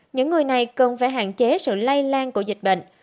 những người này cần phải hạn chế sự lây lan của dịch bệnh